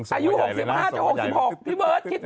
อายุ๖๕หรือ๖๖